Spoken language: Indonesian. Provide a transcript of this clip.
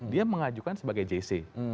dia mengajukan sebagai jc